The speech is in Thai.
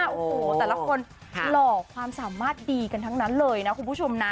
โอ้โหแต่ละคนหล่อความสามารถดีกันทั้งนั้นเลยนะคุณผู้ชมนะ